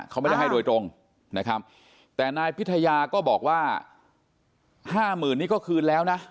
เขาไม่ได้ให้โดยตรงนะครับแต่นายพิทยาก็บอกว่าห้าหมื่นนี่ก็คืนแล้วนะ